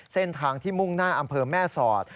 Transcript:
เส้นทางที่มุ่งหน้าอำเภอแม่สอด